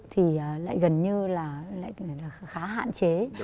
thì lại gần như là khá hạn chế